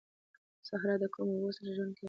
صحرا د کمو اوبو سره ژوند کوي